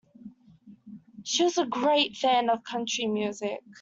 She was a great fan of country music